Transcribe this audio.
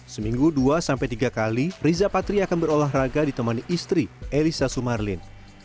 seminggu dua sampai tiga kali riza patri akan berolahraga ditemani istri elisa sumarlin